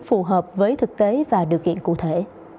phù hợp với thực tế và điều kiện cụ thể